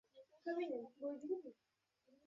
তোর কারণেই এখন মরতে বসেছি।